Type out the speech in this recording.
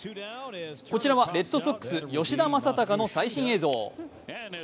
こちらはレッドソックス・吉田正尚の最新映像。